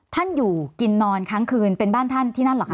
ท่านอยู่กินนอนครั้งคืนเป็นบ้านท่านที่นั่นเหรอค